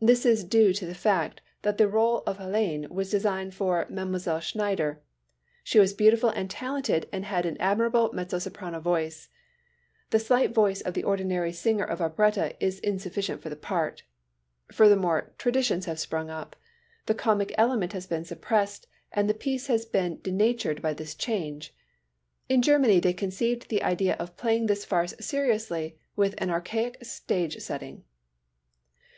This is due to the fact that the rôle of Hélène was designed for Mlle. Schneider. She was beautiful and talented and had an admirable mezzo soprano voice. The slight voice of the ordinary singer of operetta is insufficient for the part. Furthermore, traditions have sprung up. The comic element has been suppressed and the piece has been denatured by this change. In Germany they conceived the idea of playing this farce seriously with an archaic stage setting!